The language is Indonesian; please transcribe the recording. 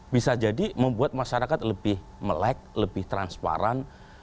bisa jadi membuat masyarakat lebih melek lebih transparan